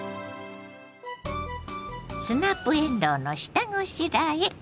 スナップえんどうの下ごしらえ。